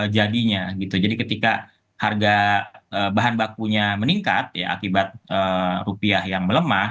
jadi ketika harga bahan bakunya meningkat akibat rupiah yang melemah